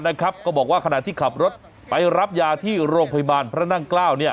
ก็บอกว่าขณะที่ขับรถไปรับยาที่โรงพยาบาลพระนั่งเกล้า